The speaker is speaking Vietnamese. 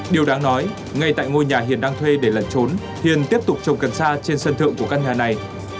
điều đáng nói ngay tại ngôi nhà hiền đang thuê để lẩn trốn hiền tiếp tục trồng cần sa trên sân thượng của căn nhà này